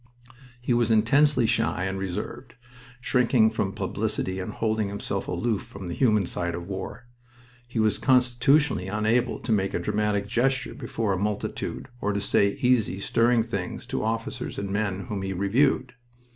He was intensely shy and reserved, shrinking from publicity and holding himself aloof from the human side of war. He was constitutionally unable to make a dramatic gesture before a multitude, or to say easy, stirring things to officers and men whom he reviewed.